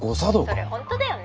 ☎それ本当だよね？